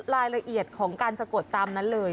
รายละเอียดของการสะกดตามนั้นเลย